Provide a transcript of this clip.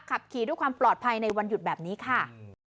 ขับขี่ด้วยความปลอดภัยในวันหยุดแบบนี้ค่ะ